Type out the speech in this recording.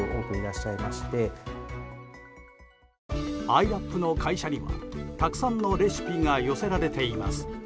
アイラップの会社にはたくさんのレシピが寄せられています。